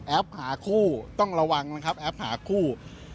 หาคู่ต้องระวังนะครับแอปหาคู่